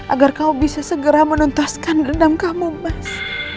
agar kau bisa segera menuntaskan gendam kamu mas